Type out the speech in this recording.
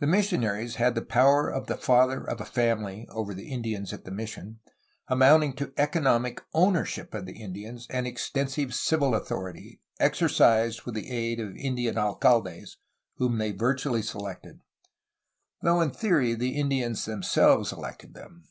The missionaries had the power of the father of a family over the Indians at the mission, amounting to economic ownership of the Indians and extensive civil authority, exercised with the aid of Indian alcaldes, whom they virtually selected, though in theory the Indians themselves elected them.